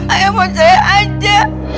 ayah mau cerai aja